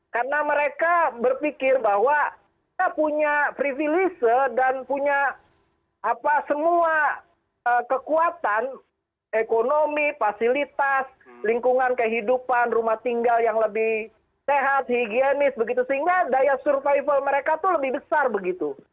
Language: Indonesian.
karena mereka berpikir bahwa kita punya privilege dan punya apa semua kekuatan ekonomi fasilitas lingkungan kehidupan rumah tinggal yang lebih sehat higienis begitu sehingga daya survival mereka itu lebih besar begitu